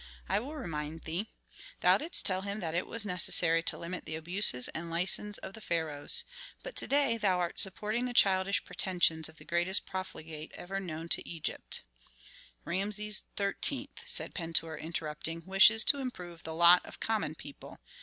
I will remind thee: thou didst tell him that it was necessary to limit the abuses and license of the pharaohs. But to day thou art supporting the childish pretensions of the greatest profligate ever known to Egypt " "Rameses XIII.," said Pentuer, interrupting, "wishes to improve the lot of common people.